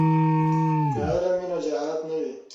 که علم وي نو جهالت نه وي.